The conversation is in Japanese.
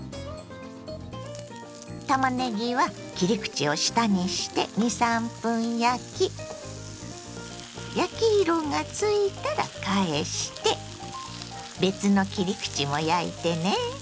たまねぎは切り口を下にして２３分焼き焼き色がついたら返して別の切り口も焼いてね。